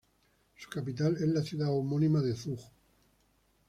Su capital es la ciudad homónima de Zug.